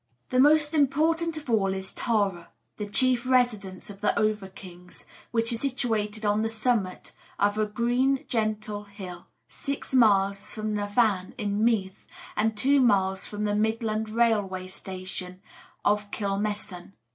The most important of all is Tara, the chief residence of the over kings, which is situated on the summit of a gentle green hill, six miles from Navan in Meath, and two miles from the Midland Railway station of Kilmessan.